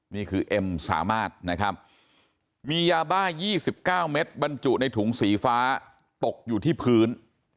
นี่คือเอ็มสามารถนะครับมียาบ้า๒๙เม็ดบรรจุในถุงสีฟ้าตกอยู่ที่พื้น